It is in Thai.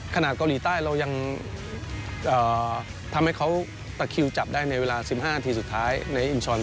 ขนาดเกาหลีใต้เรายังทำให้เขาตะคิวจับได้